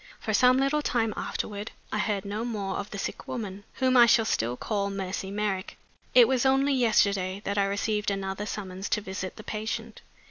For some little time afterward I heard no more of the sick woman, whom I shall still call Mercy Merrick. It was only yesterday that I received another summons to visit the patient.